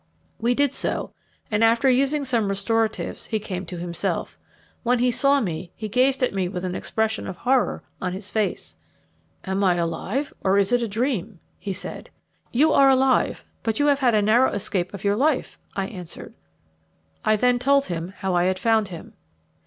We did so, and after using some restoratives, he came to himself. When he saw me he gazed at me with an expression of horror on his face. "Am I alive, or is it a dream?" he said. "You are alive, but you have had a narrow escape of your life," I answered. I then told him how I had found him.